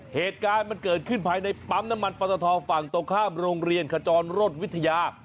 เหตุการณ์มันเกิดขึ้นภายในปั๊มน้ำมันปอตทฝั่งตรงข้ามโรงเรียนขจรรดวิทยา